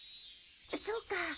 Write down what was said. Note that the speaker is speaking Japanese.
そうか。